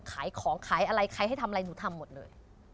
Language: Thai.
ขายของขายอะไรใครให้ทำอะไรหนูทำหมดเลย